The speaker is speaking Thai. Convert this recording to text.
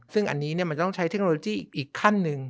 ซึ่งอันนี้มันจะต้องใช้เทคโนโลยีอีกขั้นหนึ่ง